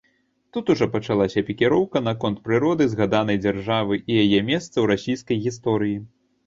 Тут ужо пачалася пікіроўка наконт прыроды згаданай дзяржавы і яе месца ў расійскай гісторыі.